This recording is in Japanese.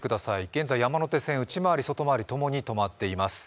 現在山手線内回り・外回りともに止まっています。